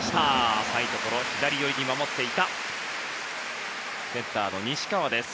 浅いところ、左寄りに守っていたセンターの西川です。